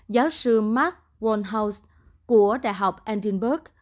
giáo sư mark wollhouse của đại học edinburgh